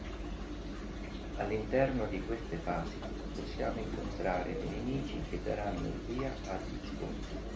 All'interno di queste fasi possiamo incontrare dei nemici che daranno il via agli scontri.